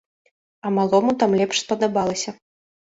А малому там лепш спадабалася.